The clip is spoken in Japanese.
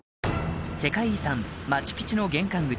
世界遺産マチュピチュの玄関口